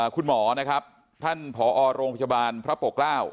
คุณหมอนะครับท่านผอโรงพยาบาลพระปกเกล้า